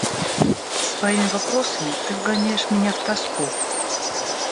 Своими вопросами ты вгоняешь меня в тоску.